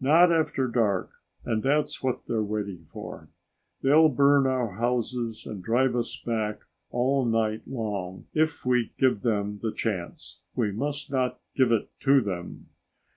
"Not after dark, and that's what they're waiting for. They'll burn our houses and drive us back all night long if we give them the chance. We must not give it to them!"